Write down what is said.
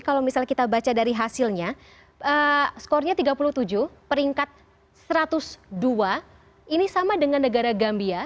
kalau misalnya kita baca dari hasilnya skornya tiga puluh tujuh peringkat satu ratus dua ini sama dengan negara gambia